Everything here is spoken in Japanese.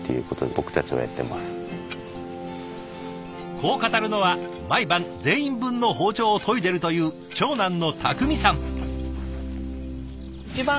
こう語るのは毎晩全員分の包丁を研いでるという長男の匠さん。